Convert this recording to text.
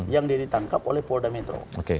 yang dia ditangkap oleh polda metro